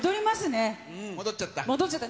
戻っちゃった？